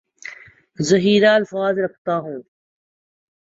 ذخیرہ الفاظ رکھتا ہوں